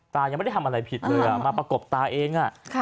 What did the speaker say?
ตายังไม่ได้ทำอะไรผิดเลยมาประกบตาเอง